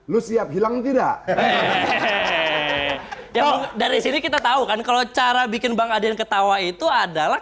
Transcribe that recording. lu siap hilang tidak yang dari sini kita tahu kan kalau cara bikin bang adian ketawa itu adalah